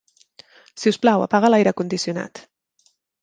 Si us plau, apaga l'aire condicionat.